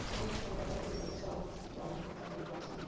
মধুসূদনের জীবনে এদের সংস্রব নিতান্তই যৎসামান্য।